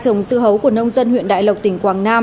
trồng dưa hấu của nông dân huyện đại lộc tỉnh quảng nam